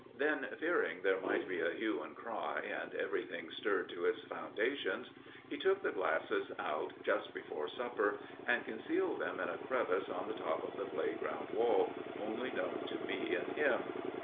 Then, fearing there might be a hue and cry, and everything stirred to its foundations, he took the glasses out just before supper, and concealed them in a crevice on the top of the playground wall, only known to me and him.